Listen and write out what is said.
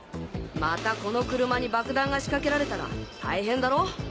またこの車に爆弾が仕掛けられたら大変だろ？